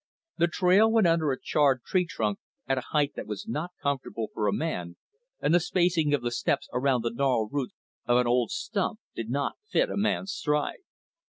The trail went under a charred tree trunk at a height that was not comfortable for a man, and the spacing of the steps around the gnarled roots of an old slump did not fit a man's stride.